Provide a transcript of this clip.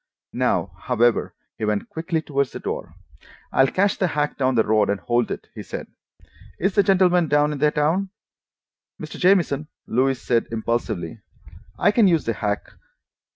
Now, however, he went quickly toward the door. "I'll catch the hack down the road and hold it," he said. "Is the gentleman down in the town?" "Mr. Jamieson," Louise said impulsively, "I can use the hack.